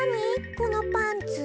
このパンツ。